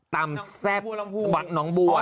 ตำแซ่บน้องบัว